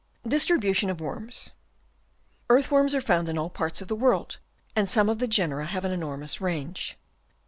Distribution of Worms. — Earth worms are found in all parts of the world, and some of the genera have an enormous range.